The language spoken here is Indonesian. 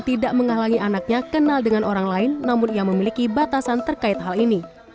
tidak menghalangi anaknya kenal dengan orang lain namun ia memiliki batasan terkait hal ini